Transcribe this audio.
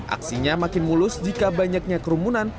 aksinya makin mulus jika banyaknya kerumunan